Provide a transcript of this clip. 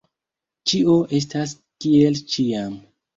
Ĉio estas kiel ĉiam.